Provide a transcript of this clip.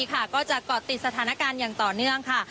ก็จะเกาะติดสถานการณ์อย่างต่อเนื่องค่ะ